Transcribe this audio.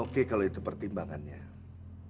oke kalau gitu ya pak harmaid